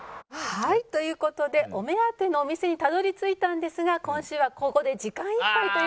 はいという事でお目当てのお店にたどり着いたんですが今週はここで時間いっぱいという事で。